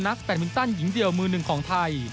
แฟมินตันหญิงเดียวมือหนึ่งของไทย